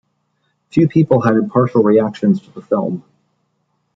Few people had impartial reactions to the film.